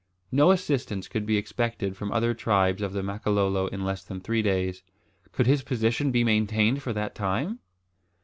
No assistance could be expected from other tribes of the Makololo in less than three days. Could his position be maintained for that time?